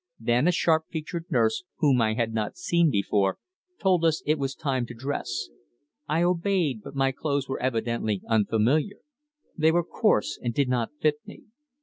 Then a sharp featured nurse, whom I had not seen before, told us it was time to dress. I obeyed, but my clothes were entirely unfamiliar. They were coarse and did not fit me.